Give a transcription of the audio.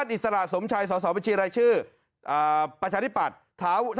อิสระสมชัยสสบัญชีรายชื่อประชาธิปัตย์